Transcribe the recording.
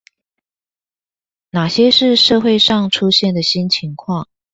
那些是社會上出現的新情況？